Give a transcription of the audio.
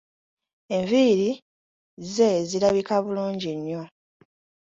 Enviiri ze zirabika bulungi nnyo.